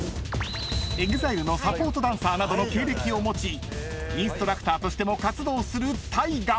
［ＥＸＩＬＥのサポートダンサーなどの経歴を持ちインストラクターとしても活動する］